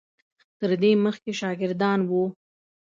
تر دې مخکې شاګردان وو.